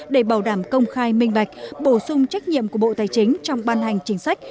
để bảo đảm công khai minh bạch bổ sung trách nhiệm của bộ tài chính trong ban hành chính sách